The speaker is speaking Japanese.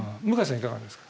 いかがですか？